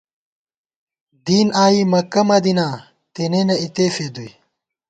دین آئی مکہ مدیناں، تېنېنہ اِتے فېدُوئی